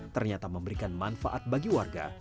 ternyata memberikan manfaat bagi warga